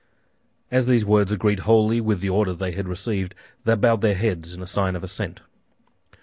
As these words agreed wholly with the order they had received, they bowed their heads in sign of assent.